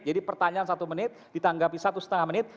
jadi pertanyaan satu menit ditanggapi satu lima menit